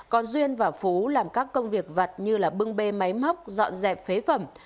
còn duyên và phú làm các công việc vặt như bưng bê máy móc dọn dẹp phế phẩm